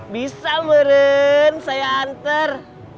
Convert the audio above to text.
bisa meren saya antar